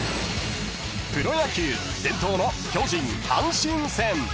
［プロ野球伝統の巨人阪神戦］